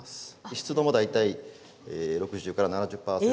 湿度も大体６０から７０％で。